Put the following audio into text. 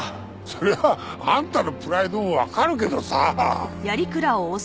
そりゃあんたのプライドもわかるけどさ。